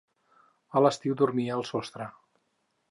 A l'estiu dormia al sostre.